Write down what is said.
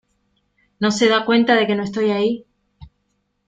¿ No se da cuenta de que no estoy ahí?